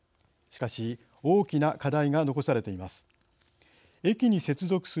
しかし大きな課題が残されています。